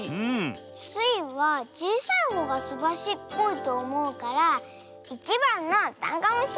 スイはちいさいほうがすばしっこいとおもうから１ばんのダンゴムシ！